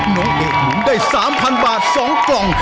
น้องเอกหมุนได้๓๐๐บาท๒กล่อง